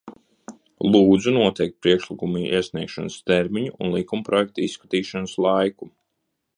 Lūdzu noteikt priekšlikumu iesniegšanas termiņu un likumprojekta izskatīšanas laiku!